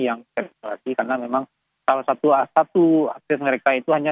yang terigulasi karena memang salah satu akses mereka itu hanya